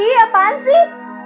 iya apaan sih